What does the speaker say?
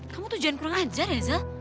kamu tuh jangan kurang ajar ya zal